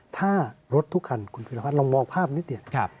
ถ้ารถทุกคันคุณพิรวัตรลองมองภาพนิดเดียว